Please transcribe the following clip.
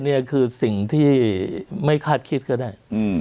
นี่คือสิ่งที่ไม่คาดคิดก็ได้